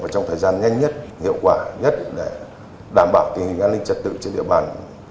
trong thời gian nhanh nhất hiệu quả nhất để đảm bảo tình hình an ninh trật tự trên địa bàn